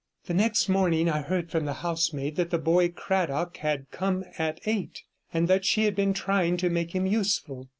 The next morning I heard from the housemaid that the boy Cradock had come at eight, and that she had been trying to make him useful.